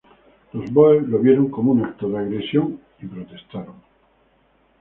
Los boers lo vieron como un acto de agresión y protestaron.